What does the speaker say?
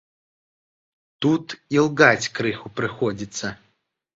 Тут ілгаць крыху прыходзіцца.